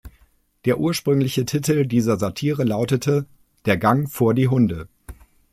Der ursprüngliche Titel dieser Satire lautete: "Der Gang vor die Hunde".